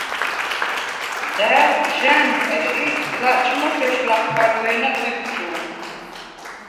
და̄̈ვ ჟ’ა̈მპერ ი ლაჭმუშ ეშ ლახქარვე̄ნა ტვიბჩუ̄ნ.